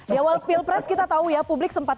di awal pilpres kita tahu ya publik sempat